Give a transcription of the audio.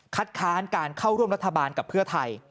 ค้านการเข้าร่วมรัฐบาลกับเพื่อไทย